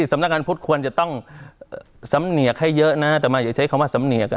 สำนักงานพุทธควรจะต้องสำเนียกให้เยอะนะต่อมาอย่าใช้คำว่าสำเนียก